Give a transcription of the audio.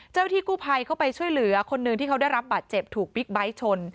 ที่กู้ภัยเข้าไปช่วยเหลือคนหนึ่งที่เขาได้รับบาดเจ็บถูกบิ๊กไบท์ชน